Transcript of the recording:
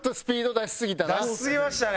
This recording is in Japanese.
出しすぎましたね。